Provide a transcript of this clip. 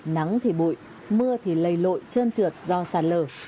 nắng thì bụi mưa thì lầy lội trơn trượt do sạt lở